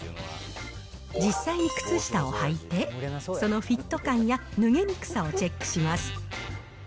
実際に靴下を履いて、そのフィット感や脱げにくさをチェックします。